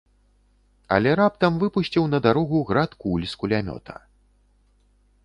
Але раптам выпусціў на дарогу град куль з кулямёта.